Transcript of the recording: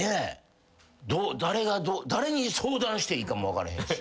誰に相談していいかも分かれへんし。